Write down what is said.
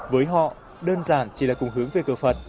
với họ đơn giản chỉ là cùng hướng về cửa phật